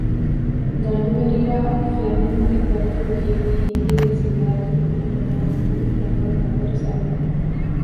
ދަނޑުވެރިޔާ ފްލެމިންގ ގެ ދަރިފުޅު ކިޔެވީ އިނގިރޭސިވިލާތުގެ އެންމެ ނަން ހުރި ރަނގަޅު މަދުރަސާތަކުން